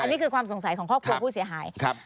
นี่คือความสงสัยของครอบครัวผู้เสียหาย